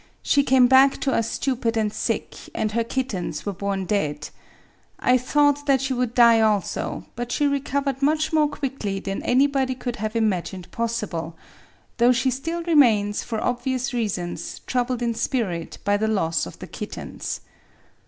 She came back to us stupid and sick; and her kittens were born dead. I thought that she would die also; but she recovered much Digitized by Google 222 PATHOLOGICAL more quickly than anybody could have imagined possible, — though she still remains, for obvious reasons, troubled in spirit by the loss of the kittens.